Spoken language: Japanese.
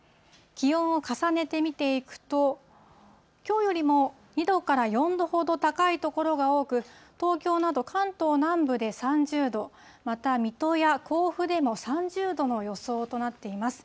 気温を重ねて見ていくと、きょうよりも２度から４度ほど高い所が多く、東京など関東南部で３０度、また水戸や甲府でも３０度の予想となっています。